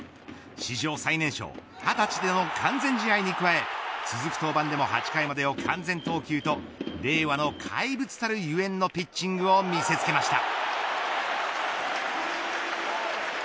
史上最年少、二十歳での完全試合に加え続く登板でも８回までを完全投球と令和の怪物たるゆえんのピッチングを見せつけました。